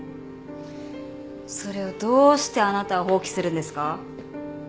それをどうしてあなたは放棄するんですか？